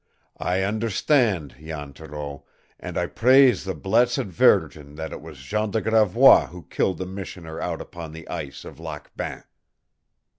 "I understand, Jan Thoreau, and I praise the blessed Virgin that it was Jean de Gravois who killed the missioner out upon the ice of Lac Bain!"